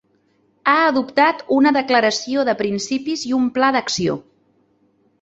Ha adoptat una Declaració de principis i un Pla d'Acció.